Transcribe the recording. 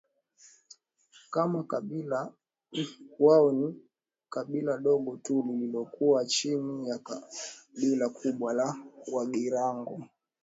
kama kabila wao ni kabila dogo tu lililokuwa chini ya kabila kubwa la Wagirango